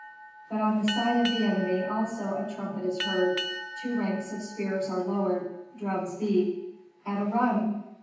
But on the side of the enemy also a trumpet is heard, two ranks of spears are lowered, drums beat. At a run!